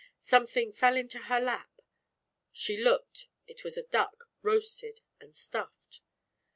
Something fell into her lap, she looked, it was a duck, roasted and stuffed.